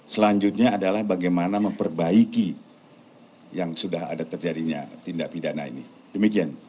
selanjutnya adalah bagaimana memperbaiki yang sudah ada terjadinya tindak pidana ini demikian